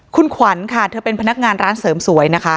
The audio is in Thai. คุณขวัญค่ะเธอเป็นพนักงานร้านเสริมสวยนะคะ